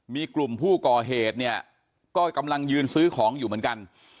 มีกลุ่มผู้ก่อเหตุเนี่ยก็กำลังยืนซื้อของอยู่เหมือนกัน